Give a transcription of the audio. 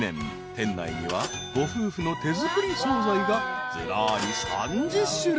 店内にはご夫婦の手作り総菜がずらり３０種類］